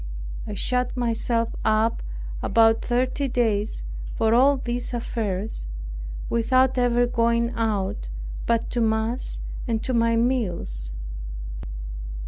I shut myself up about thirty days for all these affairs, without ever going out, but to mass and to my meals.